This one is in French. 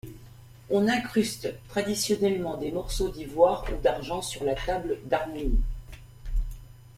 On incruste traditionnellement des morceaux d'ivoire ou d'argent sur la table d'harmonie.